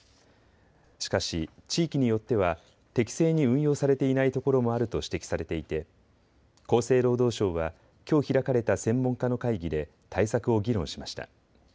しかし地域によっては適正に運用されていない所もあると指摘されていて厚生労働省はきょう開かれた専門家の会議で対策を議論しました。